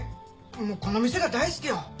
もうこの店が大好きよ。